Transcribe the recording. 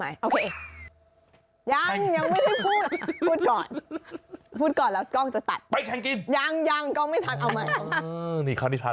เลยละเนี้ยไม่กิน